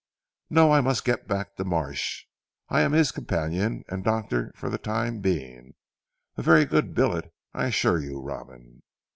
"No! I must get back to Marsh. I am his companion and doctor for the time being. A very good billet I assure you Robin."